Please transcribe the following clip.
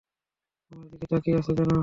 আমার দিকে তাকিয়ে আছো কেন?